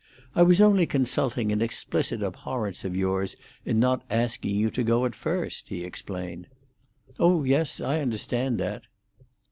"I was only consulting an explicit abhorrence of yours in not asking you to go at first," he explained. "Oh yes; I understand that."